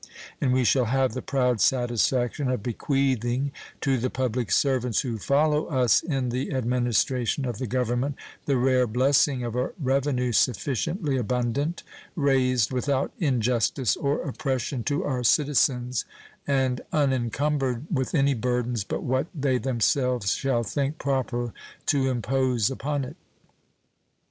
And we shall have the proud satisfaction of bequeathing to the public servants who follow us in the administration of the Government the rare blessing of a revenue sufficiently abundant, raised without injustice or oppression to our citizens, and unencumbered with any burdens but what they themselves shall think proper to impose upon it.